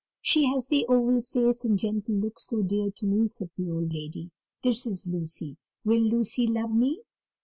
"She has the oval face and gentle look so dear to me," said the old lady; "this is Lucy. Will Lucy love me?"